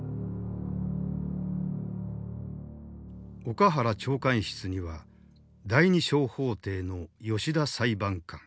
岡原長官室には第二小法廷の吉田裁判官